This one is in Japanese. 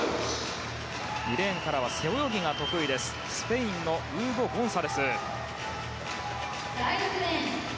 ２レーンからは背泳ぎが得意なスペインのウーゴ・ゴンサレス。